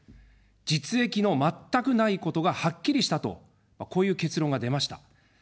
実益の全くないことがはっきりしたと、こういう結論が出ました。